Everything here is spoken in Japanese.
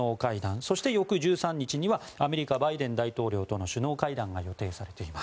そして翌１３日にはアメリカ、バイデン大統領との首脳会談が予定されています。